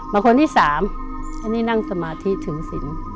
มาคนที่สามนี่นั่งสมาธิถือสิน